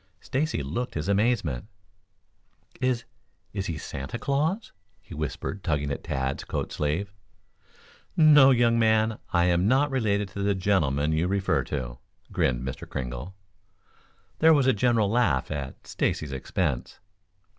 Stacy looked his amazement. "Is is he Santa Claus?" he whispered, tugging at Tad's coat sleeve. "No, young man. I am not related to the gentleman you refer to," grinned Mr. Kringle. There was a general laugh at Stacy's expense.